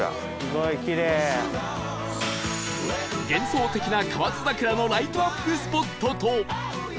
幻想的な河津桜のライトアップスポットと